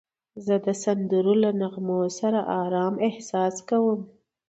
زه د سندرو له نغمو سره آرام احساس کوم.